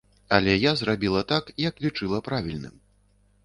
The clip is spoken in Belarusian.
Але я зрабіла так, як лічыла правільным.